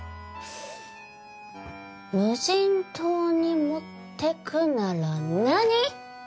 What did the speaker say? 無人島に持ってくなら何？